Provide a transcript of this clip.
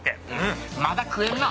まだ食えんな。